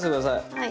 はい。